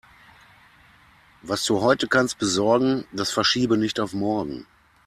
Was du heute kannst besorgen, das verschiebe nicht auf morgen.